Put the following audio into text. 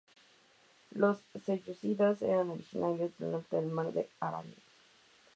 Los selyúcidas eran originarios del norte del mar de Aral.